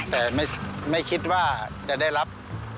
แต่ไม่คิดว่าจะได้รับ